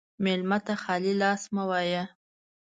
مېلمه ته خالي لاس مه وایه.